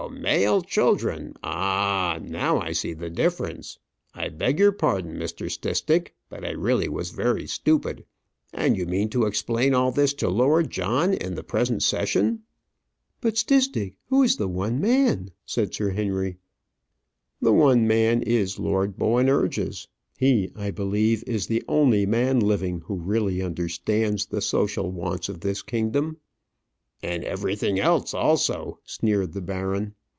male children! Ah h h! Now I see the difference; I beg your pardon, Mr. Stistick, but I really was very stupid. And you mean to explain all this to Lord John in the present session?" "But, Stistick, who is the one man?" said Sir Henry. "The one man is Lord Boanerges. He, I believe, is the only man living who really understands the social wants of this kingdom." "And everything else also," sneered the baron.